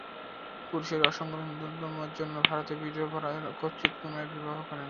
পুরুষের সংখ্যা-ন্যূনতার জন্য ভারতে বিধবারা ক্বচিৎ পুনরায় বিবাহ করেন।